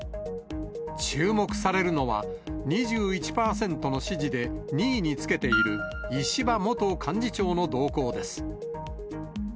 注目されるのは、２１％の支持で、２位につけている石破元幹事長の動向です。